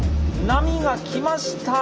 波がきました。